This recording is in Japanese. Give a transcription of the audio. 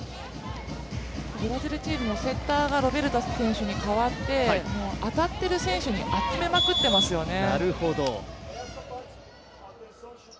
ブラジルチームのセッターがロベルタ選手に代わって当たっている選手に集めまくっていますよね。